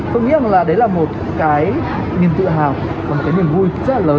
tôi nghĩ rằng là đấy là một cái niềm tự hào và một cái niềm vui rất là lớn